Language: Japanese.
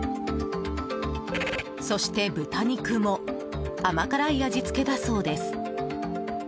そして、豚肉も甘辛い味付けだそうです。